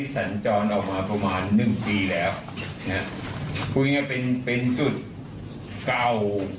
สัญจรออกมาประมาณหนึ่งปีแล้วนะพูดง่ายเป็นเป็นจุดเก่า